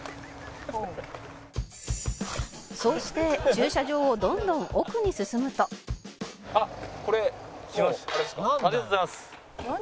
「そうして駐車場をどんどん奥に進むと」ありがとうございます。